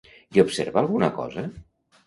I observa alguna cosa?